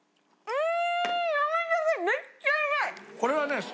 うん！